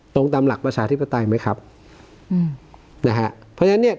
ตามหลักประชาธิปไตยไหมครับอืมนะฮะเพราะฉะนั้นเนี้ย